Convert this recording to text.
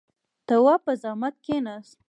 تواب په زحمت کېناست.